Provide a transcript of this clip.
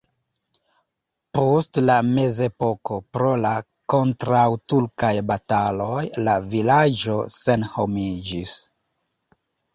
Post la mezepoko pro la kontraŭturkaj bataloj la vilaĝo senhomiĝis.